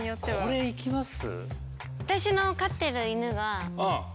これいきます？